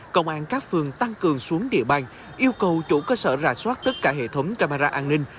công an các phường tăng cường xuống địa bàn yêu cầu chủ cơ sở rà soát tất cả hệ thống camera an ninh